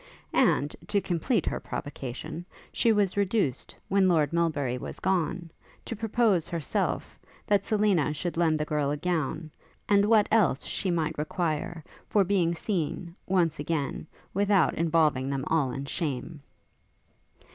And, to complete her provocation, she was reduced, when Lord Melbury was gone, to propose, herself, that Selina should lend the girl a gown, and what else she might require, for being seen, once again, without involving them all in shame.